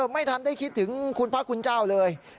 ไม่ทันได้คิดถึงคุณพระคุณเจ้าเลย